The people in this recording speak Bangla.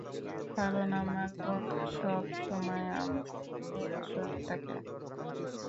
কারণ আমার বন্দুক সবসময় আমার নিয়ন্ত্রণে থাকে।